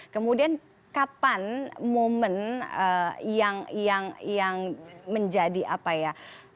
kemudian kapan momen yang menjadi apa ya